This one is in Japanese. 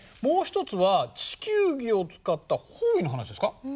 もう一つは地球儀を使った方位の話ですか？